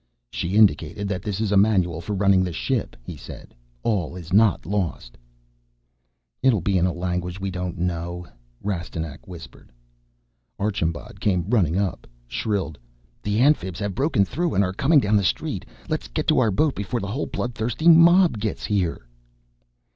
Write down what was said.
"She indicated that this is a manual for running the ship," he said. "All is not lost." "It will be in a language we don't know," Rastignac whispered. Archambaud came running up, shrilled, "The Amphibs have broken through and are coming down the street! Let's get to our boat before the whole blood thirsty mob gets here!"